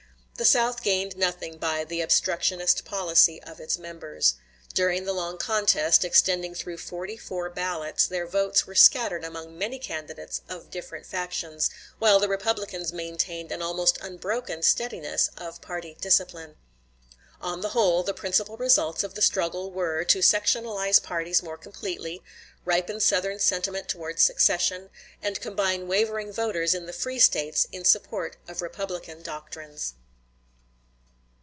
The South gained nothing by the obstructionist policy of its members. During the long contest, extending through forty four ballots, their votes were scattered among many candidates of different factions, while the Republicans maintained an almost unbroken steadiness of party discipline. On the whole, the principal results of the struggle were, to sectionalize parties more completely, ripen Southern sentiment towards secession, and combine wavering voters in the free States in support of Republican doctrines.